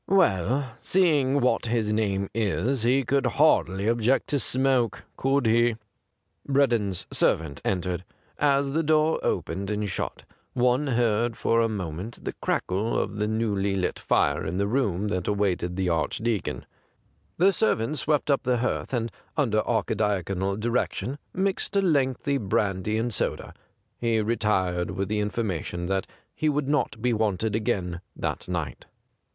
'Well, seeing what his name is 173 THE GRAY CAT he could hardly object to smoke, could he ?' Breddon's servant entered. As the door opened and shut, one heard for a moment the crackle of the newly lit fire in the room that awaited the Archdeacon. The ser vant swept up the hearth, and, under Archidiaconal direction, mixed a lengthy brandy and soda. He retired with the information that he would not be wanted again that night.